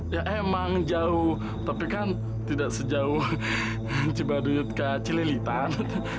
ya emang jauh tapi kan tidak sejauh cibaduyut ke cililitan